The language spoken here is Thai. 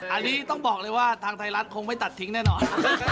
อันนี้ต้องบอกเลยว่าทางไทยรัฐคงไม่ตัดทิ้งแน่นอน